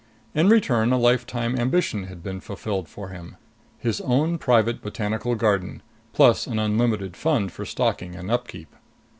In return, a lifetime ambition had been fulfilled for him his own private botanical garden plus an unlimited fund for stocking and upkeep.